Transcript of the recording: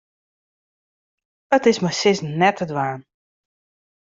It is mei sizzen net te dwaan.